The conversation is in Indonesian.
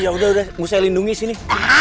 ya udah udah nggak usah lindungi sini